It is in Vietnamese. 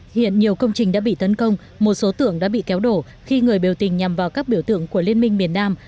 hiện nhiều công trình đã bị tấn công một số tượng đã bị kéo đổ khi người biểu tình nhằm vào các biểu tượng của liên minh miền nam